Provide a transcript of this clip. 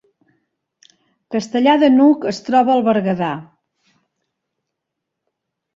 Castellar de n’Hug es troba al Berguedà